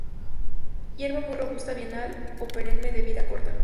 Hierba muy robusta bienal o perenne de vida corta.